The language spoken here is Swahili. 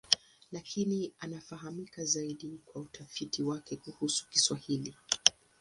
Lakini anafahamika zaidi kwa utafiti wake kuhusu Kiswahili.